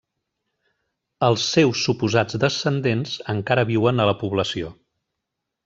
Els seus suposats descendents encara viuen a la població.